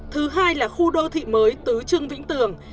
thứ hai là khu đô thị mới tứ trưng vĩnh tường